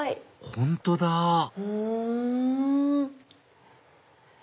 本当だふん。